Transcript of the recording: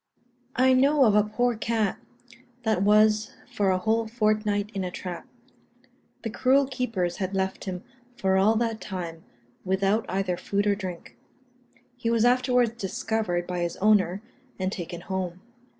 I know of a poor cat that was for a whole fortnight in a trap. The cruel keepers had left him for all that time, without either food or drink; he was afterwards discovered by his owner, and taken home.